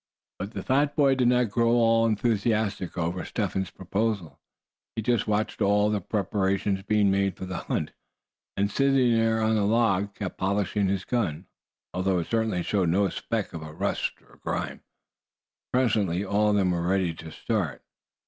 But the fat boy did not grow at all enthusiastic over Step Hen's proposal. He just watched all the preparations being made for the hunt; and sitting there on the log, kept polishing his gun, although it certainly showed no speck of rust or grime. Presently all of them were ready to start.